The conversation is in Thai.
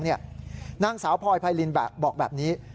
นางสาวพลอยไพรินบอกแบบนี้